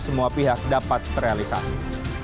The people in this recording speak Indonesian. semua pihak dapat terrealisasi